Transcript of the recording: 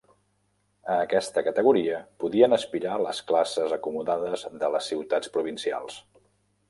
A aquesta categoria podien aspirar les classes acomodades de les ciutats provincials.